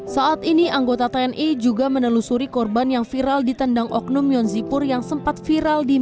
saat ini anggota tni juga menelusuri korban yang viral ditendang oknum yonzipur yang sempat viral